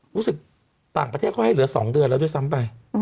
รู้สึกต่างประเทศเขาให้เหลือ๒เดือนแล้วด้วยซ้ำไป